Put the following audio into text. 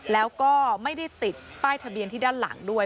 แล้วก็ไม่ได้ติดป้ายทะเบียนที่ด้านหลังด้วย